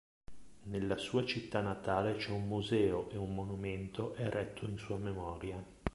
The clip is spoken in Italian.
Nella sua città natale c'è un museo e un monumento eretto in sua memoria.